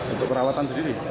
untuk perawatan sendiri